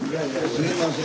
すいません。